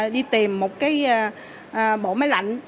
đi tìm một bộ máy lạnh